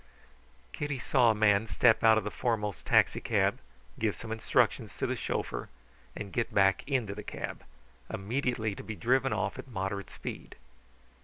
Kitty saw a man step out of the foremost taxicab, give some instructions to the chauffeur, and get back into the cab, immediately to be driven off at moderate speed.